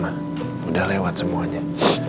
mama udah lewat semuanya